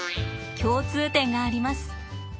共通点があります。